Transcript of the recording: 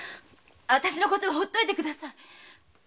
あたしのことはほっといてください！